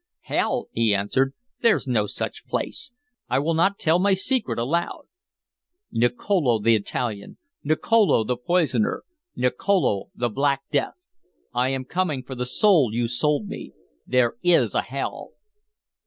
"Hell!" he answered. "There's no such place. I will not tell my secret aloud." "Nicolo the Italian! Nicolo the Poisoner! Nicolo the Black Death! I am coming for the soul you sold me. There is a hell!"